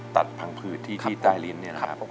ตัดผังผืดที่ใต้ลิ้นเนี่ยครับ